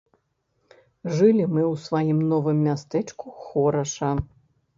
Жылі мы ў сваім новым мястэчку хораша.